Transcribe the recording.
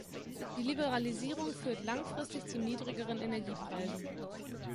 Die Liberalisierung führt langfristig zu niedrigeren Energiepreisen.